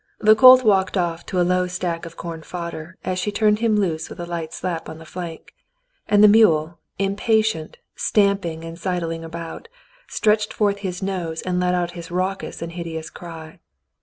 The colt walked off to a low stack of corn fodder, as she turned him loose with a light slap on the flank; and the mule, impatient, stamping and sidling about, stretched forth his nose and let out his raucous and hideous cry.